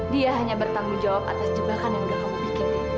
dia hanya bertanggung jawab atas jebakan yang sudah kamu bikini